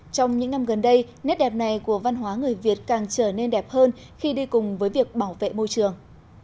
trong những năm gần đây nét đẹp này của văn hóa người việt càng trở nên đẹp hơn khi đi cùng với việc bảo vệ môi trường